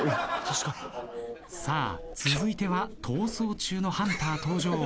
さあ続いては『逃走中』のハンター登場。